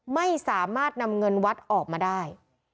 ไม่สามารถนำเงินวัดออกมาได้